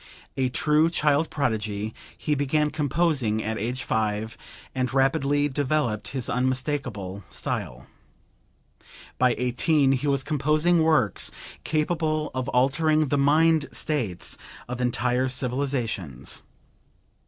A true child prodigy, he began composing at age 5 and rapidly developed his unmistakable style; by 18 he was composing works capable of altering the mind states of entire civilizations.